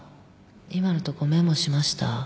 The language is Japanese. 今のとこメモしました？